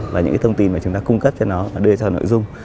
và những cái thông tin mà chúng ta cung cấp cho nó đưa ra cho nội dung